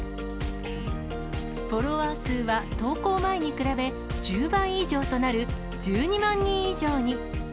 フォロワー数は投稿前に比べ１０倍以上となる、１２万人以上に。